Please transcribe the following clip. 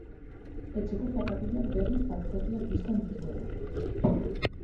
Etxeko zapatilak berriz galtzerdiak bistan dituela.